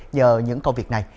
nhờ những công việc này